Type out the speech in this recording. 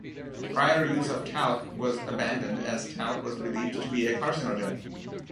Prior usage of talc was abandoned as talc was believed to be a carcinogen.